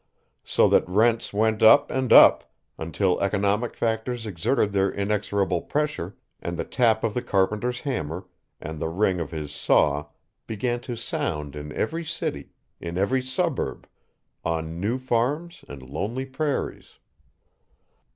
So that rents went up and up until economic factors exerted their inexorable pressure and the tap of the carpenter's hammer and the ring of his saw began to sound in every city, in every suburb, on new farms and lonely prairies.